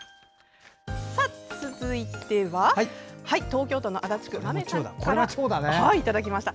続いては東京都の足立区まめさんからいただきました。